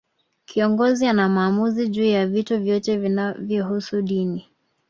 Kiongozi ana maamuzi juu ya vitu vyote vinavyohusu dini